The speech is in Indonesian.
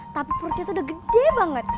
tapi perutnya tuh udah gede banget